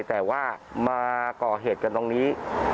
แต่ว่ามาก่อเหตุกันตรงนี้